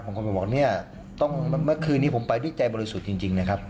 ผมต้องไปบอกเมื่อคืนนี้ผมไปด้วยใจบริสุทธิ์จริงนะครับ